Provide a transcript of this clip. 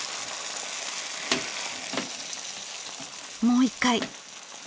もう一回。